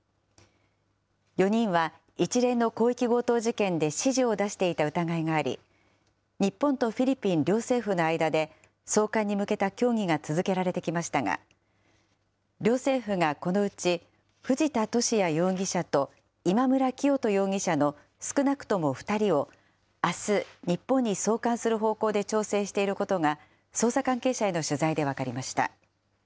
４人は、一連の広域強盗事件で指示を出していた疑いがあり、日本とフィリピン両政府の間で送還に向けた協議が続けられてきましたが、両政府がこのうち、藤田聖也容疑者と今村磨人容疑者の少なくとも２人を、あす日本に送還する方向で調整していることが、捜査関係者への取材で分かりました。